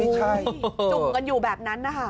จุ่งกันอยู่แบบนั้น